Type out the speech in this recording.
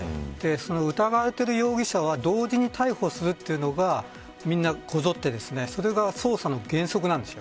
疑われてる容疑者は同時に逮捕するというのがみんな、こぞってそれが捜査の原則なんです。